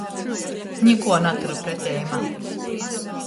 Nikuo naturu preteimā.